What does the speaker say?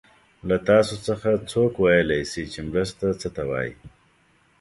له تاسو څخه څوک ویلای شي چې مرسته څه ته وايي؟